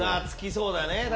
つきそうだね